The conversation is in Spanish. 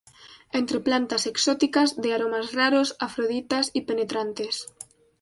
entre plantas exóticas, de aromas raros, afroditas y penetrantes.